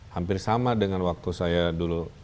hampir sama dengan waktu saya dulu